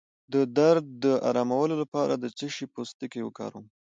د درد د ارامولو لپاره د څه شي پوستکی وکاروم؟